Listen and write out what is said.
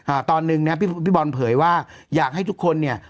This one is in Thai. อ่าตอนหนึ่งนะครับพี่บอลเผยว่าอยากให้ทุกคนเนี่ย